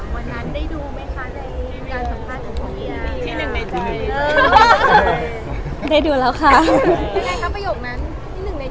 อเรนนี่แย่งนะคะเดี๋ยวขอถามวันนั้นได้ดูไหมคะในการสัมภาษณ์ของพ่อเฮีย